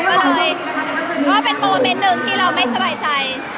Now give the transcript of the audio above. ก็เลยก็เป็นโมเมนต์หนึ่งที่เราไม่สบายใจ